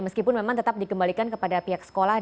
meskipun memang tetap dikembalikan kepada pihak sekolah